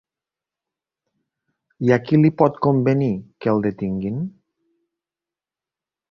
I a qui li pot convenir, que el detinguin?